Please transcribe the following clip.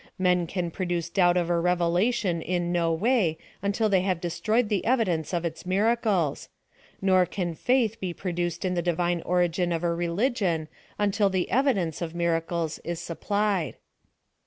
Men can produce doubt of a revelation in no way until they have destroyed the evidence of its miracles ; nor can faith be produced in the Divine origin of a religion until the evidence cf miracles is supplied.